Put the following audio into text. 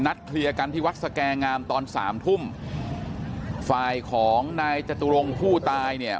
เคลียร์กันที่วัดสแกงามตอนสามทุ่มฝ่ายของนายจตุรงค์ผู้ตายเนี่ย